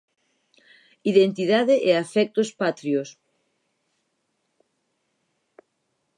Identidade e afectos patrios.